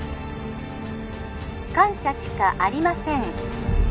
☎感謝しかありません